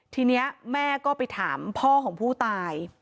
ทีนี้แม่ก็ไปถามพ่อของผู้ตาย